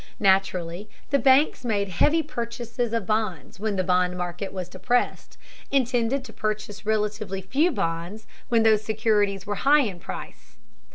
Naturally, the banks made heavy purchases of bonds when the bond market was depressed, and tended to purchase relatively few bonds when those securities were high in price.